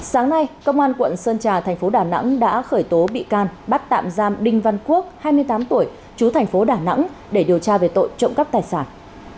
sáng nay công an quận sơn trà thành phố đà nẵng đã khởi tố bị can bắt tạm giam đinh văn quốc hai mươi tám tuổi chú thành phố đà nẵng để điều tra về tội trộm cắp tài sản